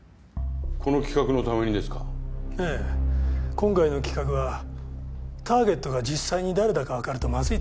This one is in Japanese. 今回の企画はターゲットが実際に誰だか分かるとまずいと思ったんでね。